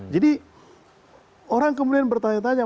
jadi orang kemudian bertanya tanya